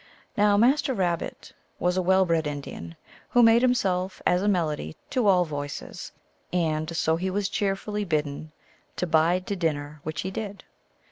Now, Master Rabbit was a well bred Indian, who made himself as a melody to all voices, and so he was cheerfully bidden to bide to din ner, which he did.